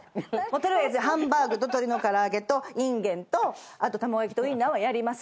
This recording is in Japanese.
取りあえずハンバーグと鶏の唐揚げとインゲンとあと卵焼きとウインナーはやります。